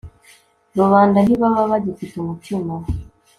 rubanda ntibaba bagifite umutima